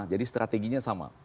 jadi strateginya sama